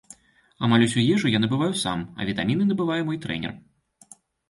Амаль усю ежу я набываю сам, а вітаміны набывае мой трэнер.